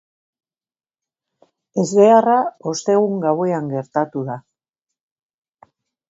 Ezbeharra ostegun gauean gertatu da.